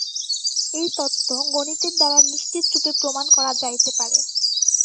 এই তত্ত্ব গণিতের দ্বারা নিশ্চিতরূপে প্রমাণ করা যাইতে পারে।